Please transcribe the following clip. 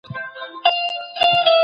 ایمي په دوامداره توګه یو غږ اورېدلو.